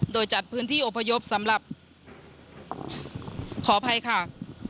โดยจัดพื้นที่อพยพสำหรับขออภัยค่ะ